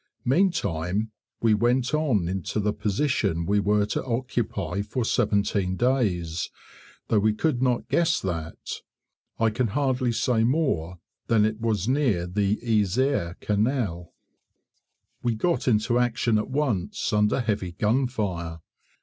Meantime we went on into the position we were to occupy for seventeen days, though we could not guess that. I can hardly say more than that it was near the Yser Canal. We got into action at once, under heavy gunfire.